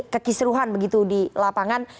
kekisruhan begitu di lapangan